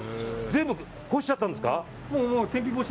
全部、干しちゃったんですか。